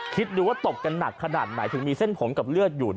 คิดดูว่าตบกันหนักขนาดไหนถึงมีเส้นผมกับเลือดอยู่